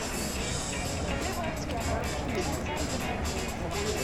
If we work together we can transcend differences.